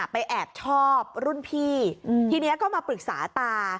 แอบชอบรุ่นพี่ทีนี้ก็มาปรึกษาตา